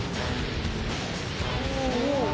お！